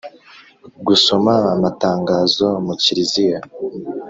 Gusoma amatangazo mu kiriziya